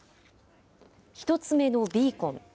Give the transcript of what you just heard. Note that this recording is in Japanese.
１つ目のビーコン。